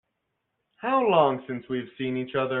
How long since we've seen each other?